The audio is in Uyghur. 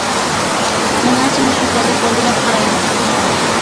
مېنىڭچە مۇشۇ يېتەرلىك بولدى دەپ قارايمەن.